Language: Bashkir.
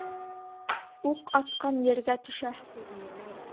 Уҡ атҡан ергә төшә.